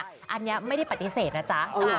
อันนี้ไม่ได้ปฏิเสธนะจ๊ะ